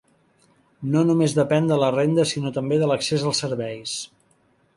No només depèn de la renda sinó també de l'accés als serveis.